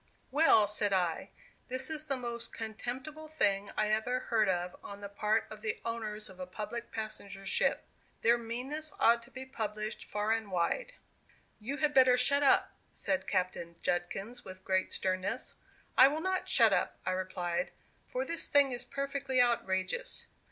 "Well," said I, "this is the most contemptible thing I ever heard of on the part of the owners of a public [Illustration: PUT ME IN IRONS.] passenger ship. Their meanness ought to be published far and wide." "You had better 'shut up,'" said Captain Judkins, with great sternness. "I will not 'shut up,'" I replied; "for this thing is perfectly outrageous.